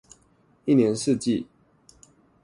一年四季